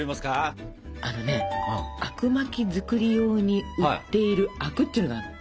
あのねあくまき作り用に売っている灰汁っていうのがあるの。